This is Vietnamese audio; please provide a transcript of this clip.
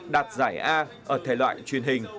đạt giải a ở thể loại truyền hình